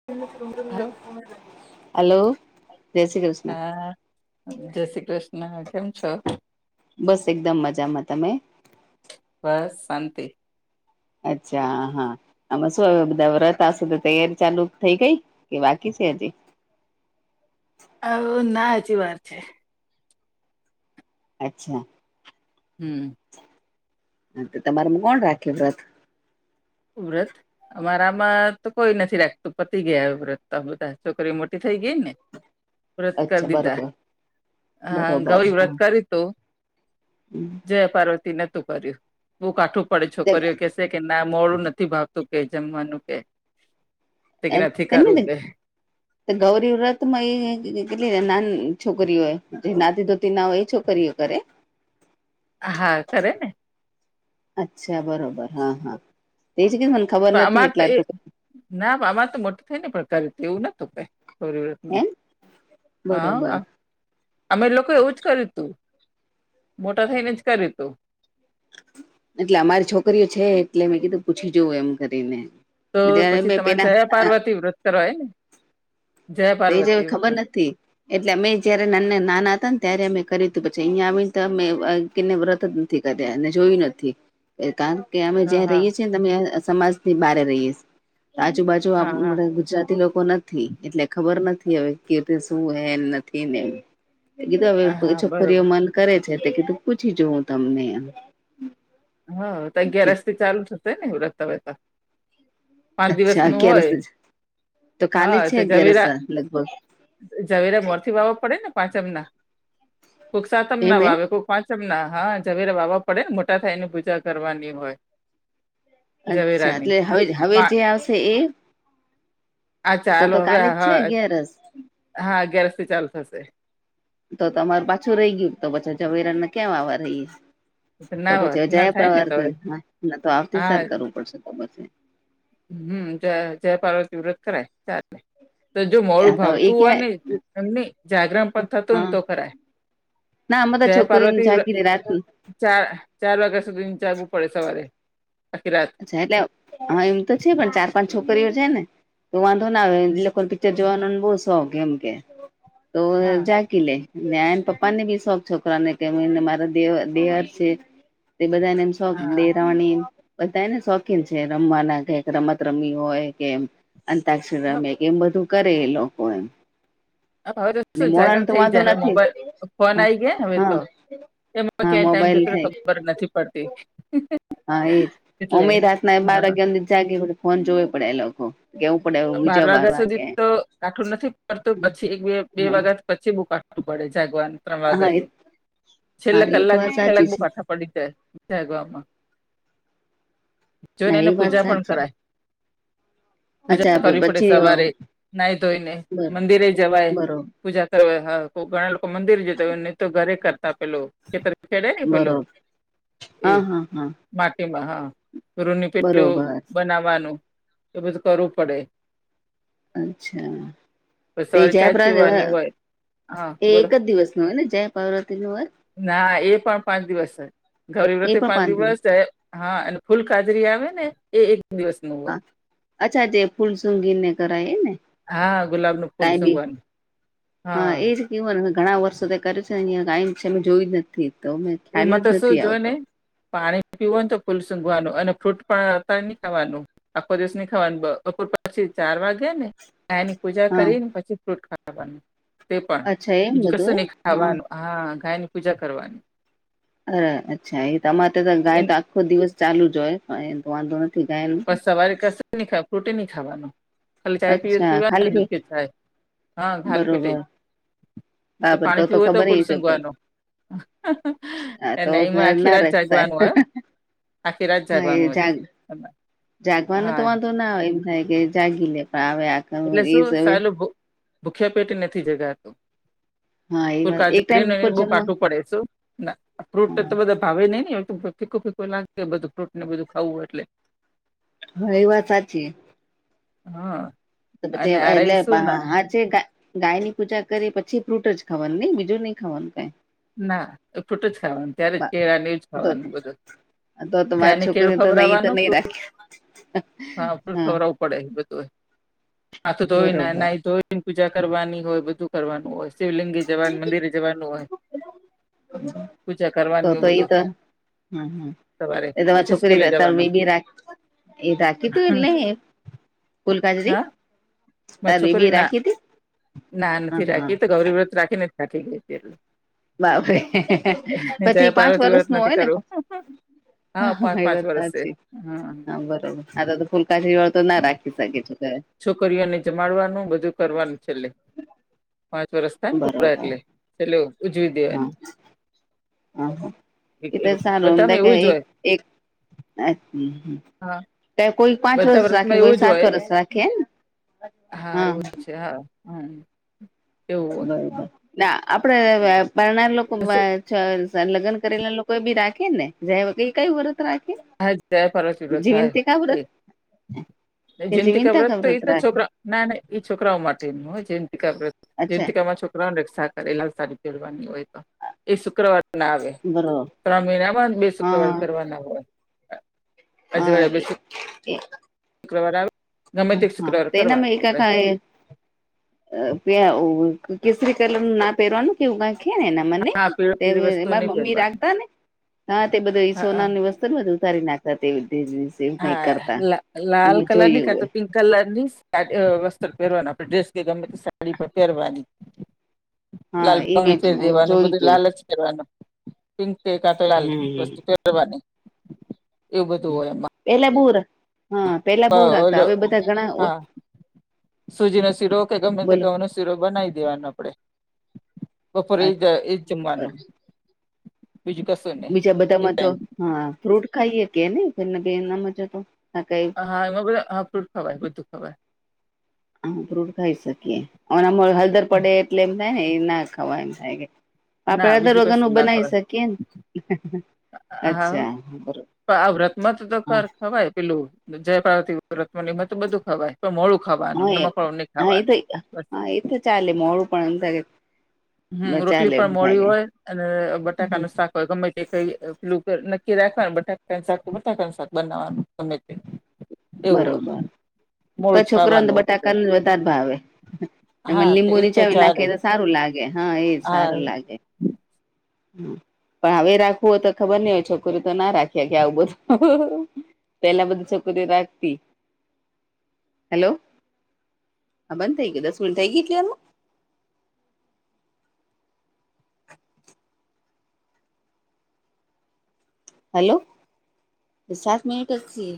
[inaudible] Hello hello જય શ્રી કૃષ્ણ હા જય શ્રી કૃષ્ણ કેમ છો બસ એકદમ મજામાં તમે બસ શાંતિ અચ્છા હા હા આમાં શું હ બધા વ્રત આવશે તો તૈયારી ચાલુ થઈ ગઈ કે બાકી છે હજી હ ના હજી વાર છે. અચ્છા. હમ્મ. તમારા કોણ રાખે વ્રત વ્રત અમારામાં તો કોઈ નથી રાખતું પતી ગયા વ્રત બધા છોકરી મોટી થઈ ગઈ ને વ્રત અચ્છા કરી દીતાા બરોબર હા બરોબર ગૌરી વ્રત કરયુ તું જય પાર્વતી નતું કર્યું બહુકાઠું પડે છોકરીઓ કેશે કે ના મોળુનથી ભાવતું કે જમવાનું કે તે કે એ નથી તેમને કરવું કે ગૌરી વ્રત માં એ કેટલી નાની છોકરીઓય જે નાતી ધોતી ના હોય એ છોકરીઓ કરે [inaudible] હા કરે ને અચ્છા બરોબર હા હા તે કે ખબર પણ નથી અમારે તો એટલા એ ટૂક ના અમાર તો મોટું થઈ ને પણ કર્યું એવું નતુંઈ એમ માં હ બરોબર અમે લોકો એવું જ કર્યું તું મોટા થઈને જ કર્યું તું એટલે અમારી છોકરીઓ છે એટલે મે કીધું પૂછી જોવું એમ કરીને તો ત્યારે પછી મે તમારે પેલા જયા પાર્વતી વ્રત કર હોય ને જયા તો એ જ હવે પાર્વતી ખબર વ્રત નથી એટલે અમે જયારે નાના નાના હતા ને ત્યારે અમે કરી તું પછી અહીંયા આવીને તો અમે વ્રત ક એને જોયું નથી કારણ કે અમે હા જ્યાં હા રહીએ છીએ ને અમે સમાજ થી બહારે રહીએ છએ તો આજુબાજુ હા હા ગુજરાતી લોકો નથી એટલે ખબર નથી હવે કે ર શું હે નથી ને એ કીધું હા હવે હા છોકરીઓ બરોબર મન કરે છે તે કીધું પૂછી જોું તમને હા તો અગિયાર રસ થી ચાલુ જ થશે ને વ્રતા વ્યતા પાંચ દિવસ અચ્છા નું ક્યારે હોય તો કાલે હા છે તો અગિયારસ જવેરા લગભગ ઝવેરા મોર થી વાવવા પડે ને પાંચમ ના કોુક સાતમ એમ ના એ વાવે કોુક પાંચમ ના હા ઝવેરા વાવા પડે ને મોટા થાયની પૂજા કરવાની હોય અચ્છા ઝવેરાની એટલે હવે હવે પા જે આવશે એ આ તો ચાલો તો હવે કાલે જ છે હા અગિયારસ હા અગિયારથી ચાલુ થશે તો તમાર પાછું રહી ગયું તો પછા જઝવેરા ને કયા વવા રહીએ તો ના પછી હ ના જયા થાય ને તો હવે [unintelligible] તો આવતી હા સાલ કરવું પડશે તો પછી હમ જયા જયા પાર્વતી વ્રત કરાય ચાલે તો જો મોડું હા તો એ ભાવતું હોય ક્યાં ને એમને જાગરણ પણ થતું હોયને હા તો કરાય ના આ બધા જય છોકરી એમ પાર્વતી વ્રત જાગતી રહે રાતની ચાર ચાર વાગ્યા સુધી જાગવું પડે સવારે આખી રાત અચછા એટલે હા એમ તો છે પણ ચાર પાંચ છોકરીઓ છે ને તો વાંધો ના આવે એ લોકો ને પી ચર જોવાનો બવ શોખ એમ કે તો હા જા કી લે [unintelligible] એને પપ્પા ને બી શોખ છોકરા ને કે [unintelligible] મારા દેવાર દેવાર છે તે બધા ને શોખ હા દેરાવાણી બધા એને શોખીન છે રમવાના કઇક રમત રમી હોય કે અતાક્ષર રમે એમ બધું કરે એ લોકો એમ હ હવે તો ને શું મોડાને જાગરણ તો થઈ વાંધો જાય હવે નથી મોબાઈલ ફોન હા આઈ ગયા હવે હા તો એમાં હા ક્યાંય ટાઈમ મોબાઈલ જતોરે થાય ખબર નથી પડતી હા એજ એટલે ઓમે રાતના બાર હા વાગ્યા હુંધી જાગી ફોન જોવે પડયા એ લોકો કેવું પડે હુઈ બાર જાવ વાગ્યા સુધી વાગે તો કાઠું નથી પડતું પછી એક બે બે હા વાગ્યા પછી બુ કાટું પડે જાગવાનું ત્રણ હા વાગ્યા એ થી હા છેલ્લા એ તો કલાક બે વાત કલાક સાચી બુ છે કાઠા પ પડી જાય જાગવામાં જોને ના એને એ વાત પૂજા પણ સાચી કરાય પૂજા અચ્છા કરવી પડે સવારે પછી નાઈ ધોઈને બર મંદિરે જવાય બરો પૂજા કરવા હા કો ઘણા લોકો મંદિર જતા હોય નહી તો ઘરે કરતા પેલો ખેતર ખેડે ને પેલો બરોબર હા એ હા હા માટીમાં હા રૂની પેલું બરોબર બનાવવાનું એ બધું કરું પડે અચ્છા પછી તે સવારે ચા જ જયા પીવાની [unintelligible] હોય હા એ બોલો એક જ દિવસનું હોય ને જય પારવતીનું વ્રત ના એ પણ પાંચ દિવસ ગૌરી વ્રત પાંચ દિવસ જયા હા અને ફૂલ કાજરી આવે ને એ એક દિવસ હા અચ્છા જે ફૂલ સુનગીને કરાય એને હા ગુલાબનું ફૂલ સૂંઘવાનું હા એ ઘણા વર્ષો કરે છે [unintelligible] જોયું જ નથી તો મેં ખ્યાલ એમાં જ તો નથી શું જોય આવતો ને પાણી પીવું ને તો ફૂલ સુંઘવાનું અને ફ્રૂટ પણ અતાર નહી ખાવાનું આખો દિવસ ની ખાવાનું બપોર પછી ચાર વાગે ને ગયાની પૂજા હા કરીને પછી ફ્રૂટ ખાવાનું તે પણ અચ્છા એમ બીજું કશું બધું એ નહી હા ખાવાનું હા ગાયની પૂજા કરવાની અરે અચ્છા એ તમારે તો ગાય એન- તો આખો દિવસ ચાલુ જ હોય એતો વાંધો ન પણ સવારે કશું ની ફ્રૂટ ની ખાવાનું ખાલી ચાય પી અચ્છા પીવા ખાલી દુધ કે પેટ ચાય હા ખાલી પેટે બરોબર જ તે બાપર પાણી પીવુ હોય તો ખબર ફુલ એ છે સુગવાનું હા તો અને એમાં ઘર આખી ના રાત જાગવાનું રખાય હોય હો આખી રાત હા જવાનું એ જાગ હોય જાગવાનો હા તો વાંધો ના આવે એમ થાય કે જાગી એટલે શું [unintelligible] સાલું ભૂખ્યા પેટે નથી જગાતું હા [inaudible] એ બવ વાત એક ટાઈમ ઉપર જમવા કઠું પડે શું ના ફ્રૂટ હા તો બધા ભાવે નહી ને [unintelligible] લાગે બધું ફ્રૂટ ને બધું ખાવું એટલે હા એ વાત સાચી. હા. [unintelligible] અને આ રહી શું ગાય ની પૂજા કરી પછી ફ્રૂટ જ ખાવાનું નહી બીજું નહી ખાવાનું કઈ. ના એ ફૂટું જ ખાવાનું ત્યારે બા કેળા નહ જ તો ખાવાનું બધું તો તો ગાય મારી ને કેડું છોકરી તો ખબર એ તો આવવાનું નહી રાખે હા ફલ ખબર પડે બધું આ તો ધોઈને બરોબર ધોઈને પૂજા કરવાની હોય બધું કરવાનું હોય શિવલિંગી જવાનું મંદિરે જવાનું હોય પૂજા [inaudible] તો કરવાની તો હોય એ બધું તો સવારે હ એ તમારે પછી છોકરી સ્કૂલે ત જવાનું બબી રાખ એ બાકી તું એટલે ફૂલકાજરી મે છોકરી ના ના હા નથી હા રાખી તો ગૌરી વ્રત રાખીને ખાટી ગઈ હતી એટલે બાબર જયા પછી પાંચ પાર્વતી વરસ વ્રત નું નથી હોય ને કરવું પાંચ હા એ પાંચ વાત વર્ષે સાચી હા બરોબર હા તો ફૂલકા છેળ તો ના રાખી શકે છે. છોકઓને જમાડવાનું બધું કરવાનું છેલ્લે પાંચ વરષ થાય ને પોરા બરોબર હા એટલે ચલો ઉજવી દેવાનું હ એ તો સારુંમ બધામાં કે એવું જ એક હોય એક હા કોઈ પાંચ બધા વરસ રાખે વ્રતમાં ને એવું કોઈ જ સાત હોય વરસ રાખે હા એવું જ છે હા. હમ્મ. બરોબર આપડે બરનાર લોકો લગ્ન કરેલા લોકો બી રાખે ને જે ક કઈ વ્રત રાખે હા જય પરરત વિ વ્રત હાય જીવંતિકા વ્રત એ કે જેમથી જીવંતા ખબરત કા તો એ વ્રત તો રાખે છોકરા ના ના એ છોકરાઓ માટેનું હોય જંતિકકા અચ્છા જંતિકકામાં છોકરા ુક રક્ષા કરે સારી પરવાની હોય તો એ શુક્રવાર પણ આવે ત્રણ મહિના બા બે શુક્રવાર કરવાના હોય હા અજવાળે બે એ. [unintelligible] હ ગમે તે હા શુક્રવાર તેના કરવાનો એક આપણે કેસરી કલર નું ના પહેરવાનું કેવું ક રાખે ને એના મને હા પીળી પીળી વસ્તુ નહીં મમ્મી પહેરવાની રાખતા ને હા તે બધા હા સોનાની વસ્તુ ને બધી ઉતારી નાખતા એવું કઈ હા કરતા લા એ લાલ મેં કલર જોયું નીખાતો હોય પિંક કલર ની વસ્ત્ર પહેરવાનું આપણે ડ્રેસ કે ગમે તે સાડી પર પહેરવાની હા લાલ એ મેં પંગડી ફેરી દેવાનું જોયું બધું તું લાલ જ પિંક ક તો લાલ હમ વસ્તુની એવ બધું હોય એ પેલા બહ હા પેલા બહુ ઓલો રાખતા હવે બધા ઘણા સુજી નો શીરો કે ગમે તે ગ બોલો નો શીરો બનાવી દેવાનો આપડે બપોરે એ જ એજ જમવાનું બીજું ક બીજા બધામાં તો હા ફ્રૂટ ખાઈએ કેનેને એના મજ તો કઈ હા એમાં બધા હા ફ્રૂટ ખવાય બધું ખવાય હ ફ્રૂટ ખાઈ શકીએ અનેના હળદર પડેટ એટલે એમ થાય ને એ ના ખાવા એમ થાય કે આપણે ના બીજું દરગું કશું ના બનાવી ખવાય શકીએ ને હ હા આવ વ્રતમાં તો તો હા ખ ખવાય પેલું જય પાર્વતી રતમમાં તો બધું ખાવાય પણ મોળું ખાવાનું હા એ નમકવાું નહી હા એ તો ખાવાનું બસ હા એ તો ચાલે મોડું પણે હમ રોટલી પણ મોડી હોય અને કે બટાકાનું શાક ગમે તે કઈલ નક્કી રાખવાનું બટા શાક બટાકા શાક બનાવાનું ગમે એવું બરોબર તો મૂળ છોકરાને તો ખાવાનું બટાકા ન જ વધારે ભાવે એ હા તો લીંબુ એ તો નીચાવી ચાલે નાખી સારું લાગે, હાએ હા સારું લાગે. પણ હવે રાખવું હોય તો ખબર નઈ હોય છોકરી તોના રાખીયા કે આવું બધું. પેલા બધું છોકરી રાખે. હેલો હા બંધ થઈ ગયા દસ મિનિટ થઈ ગઈ ચાલુ, હલો સાત મિનિટ છે, ટેક્સીએ